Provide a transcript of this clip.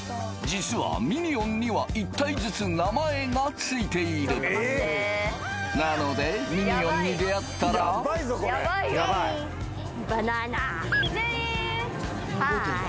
実はミニオンには一体ずつ名前がついているなのでミニオンに出会ったらジェリー！